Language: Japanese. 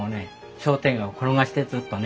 商店街を転がしてずっとね